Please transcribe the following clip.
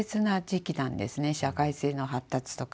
社会性の発達とか。